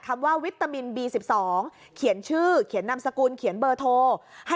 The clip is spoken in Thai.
คำว่าวิตามินบี๑๒เขียนชื่อเขียนนามสกุลเขียนเบอร์โทร